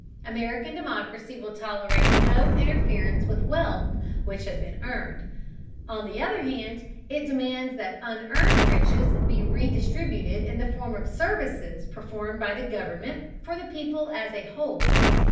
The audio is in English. American democracy will tolerate no interference with wealth which has been earned; on the other hand, it demands that unearned riches be redistributed in the form of services performed by the government for the people as a whole.